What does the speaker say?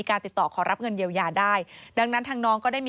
โปรดติดตามต่างกรรมโปรดติดตามต่างกรรม